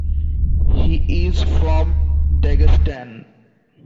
He is from Dagestan.